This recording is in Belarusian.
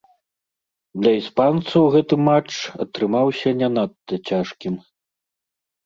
Для іспанцаў гэты матч атрымаўся не надта цяжкім.